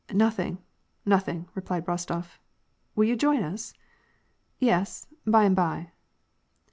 " Nothing, nothing," replied Rostof. " Will you join us ?"" Yes, by and by."